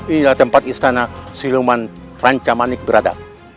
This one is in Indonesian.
inilah tempat istana siluman rancamanik berada